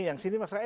yang sini mas rai